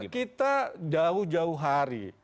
kita jauh jauh hari